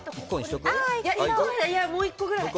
もう１個くらい。